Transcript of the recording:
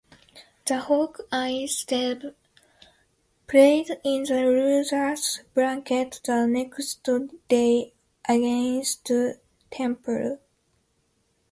The Hawkeyes then played in the losers' bracket the next day against Temple.